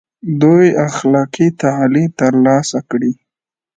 دوی اخلاقي تعالي تر لاسه کړي.